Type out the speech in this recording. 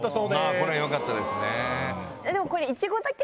これはよかったですね。